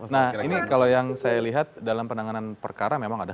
nah ini kalau yang saya lihat dalam penanganan perkara memang ada